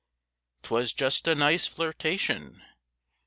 'Twas just a nice flirtation.